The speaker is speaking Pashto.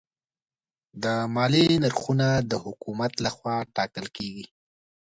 د مالیې نرخونه د حکومت لخوا ټاکل کېږي.